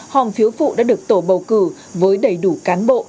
hòm phiếu phụ đã được tổ bầu cử với đầy đủ cán bộ